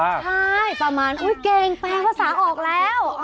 ใช่ประมาณอุ๊ยเก่งแปลว่าสาออกแล้ว